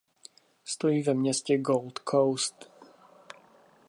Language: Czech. Stojí ve městě Gold Coast.